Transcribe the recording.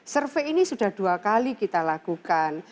survei ini sudah dua kali kita lakukan